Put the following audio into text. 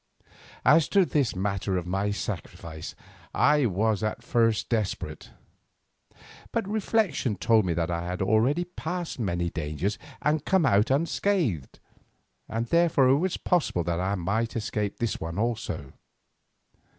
As to this matter of my sacrifice I was at first desperate. But reflection told me that I had already passed many dangers and come out unscathed, and therefore it was possible that I might escape this one also.